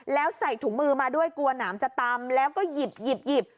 แล้วใส่ถุงมือมาด้วยกลัวหนามจะตำแล้วก็หยิบ